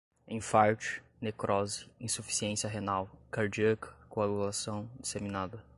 enfarte, necrose, insuficiência renal, cardíaca, coagulação, disseminada